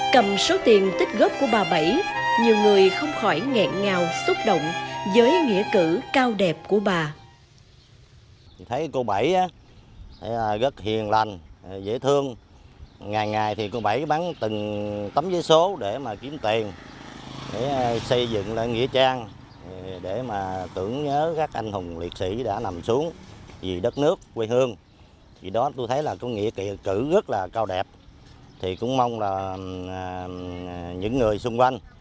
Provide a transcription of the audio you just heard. cầm số tiền tích góp của bà bảy nhiều người không khỏi ngẹn ngào xúc động với nghĩa cử cao đẹp của bà